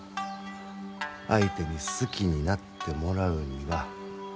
相手に好きになってもらうには。